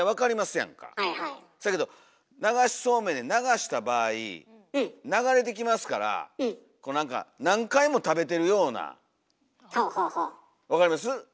せやけど流しそうめんで流した場合流れてきますからこう何か何回も食べてるようなわかります？